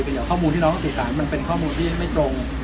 อย่างข้อมูลที่น้องสื่อสารมันเป็นข้อมูลที่ไม่ตรง